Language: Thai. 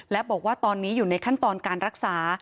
และบอกว่าตอนนี้อยู่ในขั้นตอนการรักษา